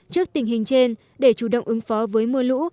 trước tình hình trên để chủ động ứng phó với mưa lũ